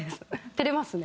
照れますね。